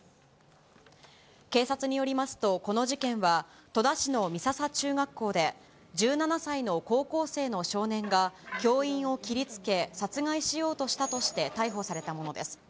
警察によりますと、この事件は戸田市の美笹中学校で、１７歳の高校生の少年が、教員を切りつけ、殺害しようとしたとして逮捕されたものです。